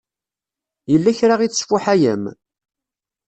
Yella kra i tesfuḥayem?